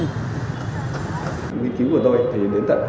những nghiên cứu của tôi thì đến tận hai nghìn năm mươi